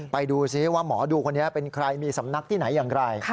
ไปดูซิว่าหมอดูคนนี้เป็นใครมีสำนักที่ไหนอย่างไร